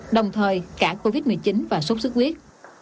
đồng thời cả covid một mươi chín và sốt xuất huyết